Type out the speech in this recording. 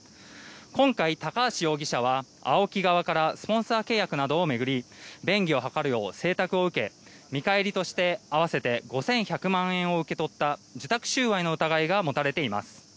今回、高橋容疑者はＡＯＫＩ側からスポンサー契約などを巡り便宜を図るよう請託を受け、見返りとして合わせて５１００万円を受け取った受託収賄の疑いが持たれています。